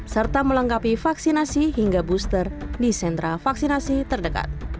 serta melengkapi vaksinasi hingga booster di sentra vaksinasi terdekat